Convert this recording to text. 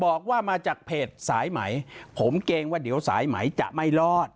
บอกว่ามาจากเพจสายไหมผมเกรงว่าเดี๋ยวสายไหมจะไม่รอด